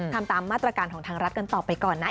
ทำตามมาตรการของทางรัฐกันต่อไปก่อนนะ